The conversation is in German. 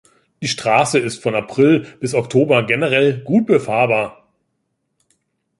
Die Strasse ist von April bis Oktober generell gut befahrbar.